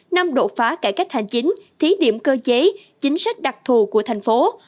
năm đột phá cải cách hành chính thí điểm cơ chế chính sách đặc thù của thành phố